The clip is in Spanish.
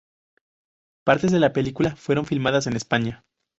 Partes de la película fueron filmadas en España.